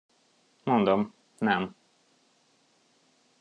Mondom, nem.